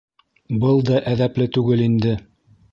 —Был да әҙәпле түгел инде!